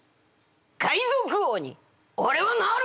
「海賊王におれはなる！」。